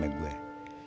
bakal ngelunjak sama gue